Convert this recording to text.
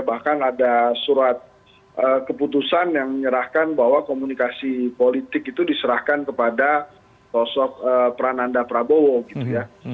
bahkan ada surat keputusan yang menyerahkan bahwa komunikasi politik itu diserahkan kepada sosok prananda prabowo gitu ya